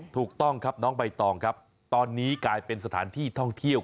ถูกต้องครับน้องใบตองครับตอนนี้กลายเป็นสถานที่ท่องเที่ยว